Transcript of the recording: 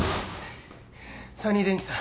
サニー電機さん。